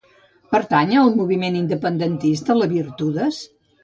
Pertany al moviment independentista la Virtudes?